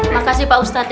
makasih pak ustadz ya